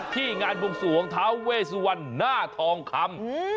ที่งานบวงสวงทาเวสวันหน้าทองคำอืม